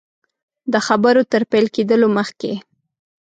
د خبرو تر پیل کېدلو مخکي.